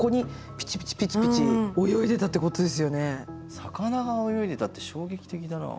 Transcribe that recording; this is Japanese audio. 魚が泳いでたって衝撃的だな。